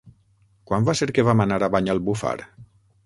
Quan va ser que vam anar a Banyalbufar?